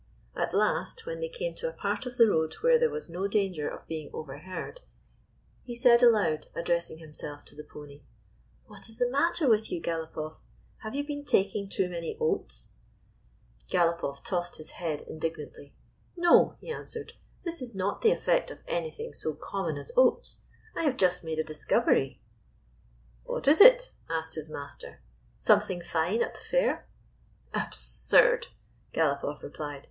At last, when they came to a part of the road where there was no danger of being overheard, he s$d aloud, ad dressing himself to the pony : "What is the matter with you, Galopoff? Have you been taking too many oats ?" 197 GYPSY, THE TALKING DOG Galopoff tossed his head indignantly. " No," he answered, " this is not the effect of anything so common as oats. I have just made a discovery." " What is it?" asked his master. "Something fine at the fair?" "Absurd !" Galopoff replied.